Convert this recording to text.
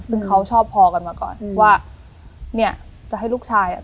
ซึ่งเขาชอบพอกันมาก่อนว่าเนี่ยจะให้ลูกชายอ่ะ